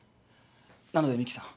なので美樹さん。